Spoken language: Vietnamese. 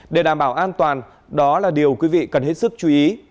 để đảm bảo an toàn đó là điều quý vị cần hết sức chú ý